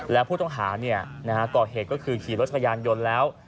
แล้วผู้ต้องหาก่อเหตุก็คือขี่รถจักรยานยนต์แล้ว